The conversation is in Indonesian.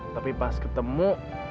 tapi pas ketemu